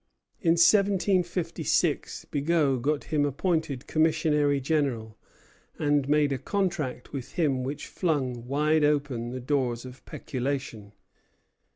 In 1756 Bigot got him appointed commissary general, and made a contract with him which flung wide open the doors of peculation.